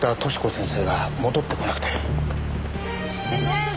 先生！！